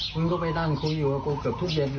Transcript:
คุณก็ไปด้านคุยอยู่กับผม